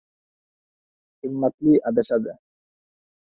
Himmatli adashadi